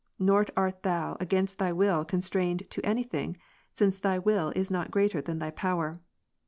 Nor art Thou against Thy will con strained to any thing, since Thy will is not greater than Thy power.